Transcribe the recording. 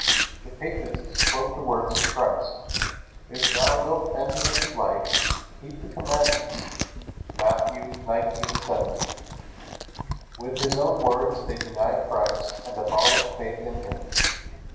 The papists quote the words of Christ: "If thou wilt enter into life, keep the commandments." (Matt. 19:17.) With His own words they deny Christ and abolish faith in Him.